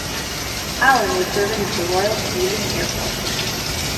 Allen was serving with the Royal Canadian Air Force.